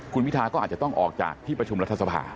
คุณพิทาก็อาจจะต้องออกจากที่ประชุมรัฐสภา